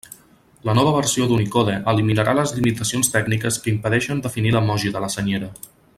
La nova versió d'Unicode eliminarà les limitacions tècniques que impedeixen definir l'emoji de la Senyera.